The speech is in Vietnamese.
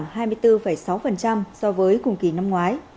sầu riêng đạt hai mươi bốn sáu so với cùng kỳ năm ngoái